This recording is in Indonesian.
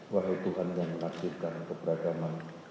wahai tuhan yang mengakhidkan keberagaman